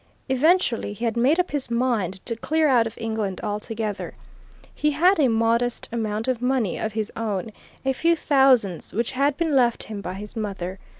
Eventually he had made up his mind to clear out of England altogether. He had a modest amount of money of his own, a few thousands which had been left him by his mother.